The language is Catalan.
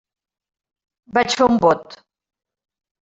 Vaig fer un bot.